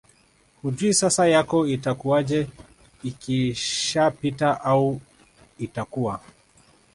hujui sasa yako itakuwaje ikishapita au itakuwa